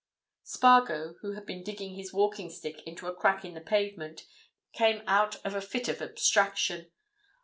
Spargo, who had been digging his walking stick into a crack in the pavement, came out of a fit of abstraction.